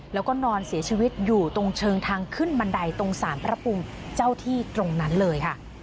แล้วก็นอนเสียชีวิตอยู่ตรงเชิงทางขึ้นบันไดตรงสารพระภูมิเจ้าที่ตรงนั้นเลยค่ะ